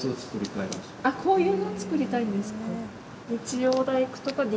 あっこういうのを作りたいんですか。